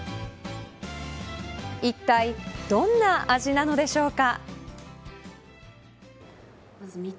いったいどんな味なのでしょうか。